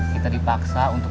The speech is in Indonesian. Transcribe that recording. kita dipaksa untuk